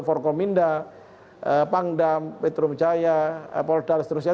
forkominda pangdam petrobras dan lain lain